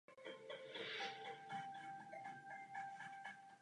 Tam získal odpuštění Valar a byl ustanoven vládcem zbytku Noldor ve Valinoru.